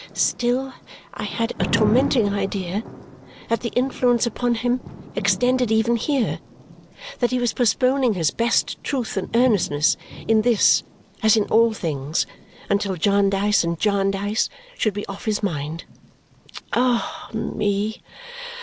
Still I had a tormenting idea that the influence upon him extended even here, that he was postponing his best truth and earnestness in this as in all things until Jarndyce and Jarndyce should be off his mind. Ah me!